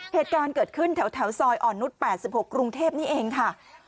เหตุการณ์เกิดขึ้นแถวซอยอ่อนนุษย์๘๖กรุงเทพนี่เองค่ะ